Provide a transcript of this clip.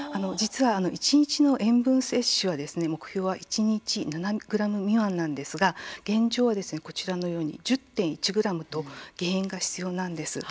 一日の塩分摂取の目標は一日７ｇ未満なんですが現状は１０．１ｇと減塩が必要なんです。